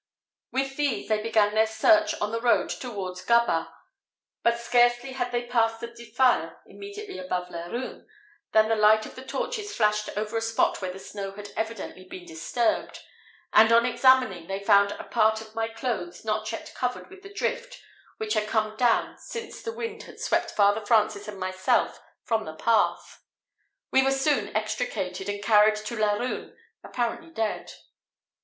With these they began their search on the road towards Gabas; but scarcely had they passed the defile immediately above Laruns, than the light of the torches flashed over a spot where the snow had evidently been disturbed, and on examining they found a part of my clothes not yet covered with the drift which had come down since the wind had swept Father Francis and myself from the path. We were soon extricated, and carried to Laruns apparently dead.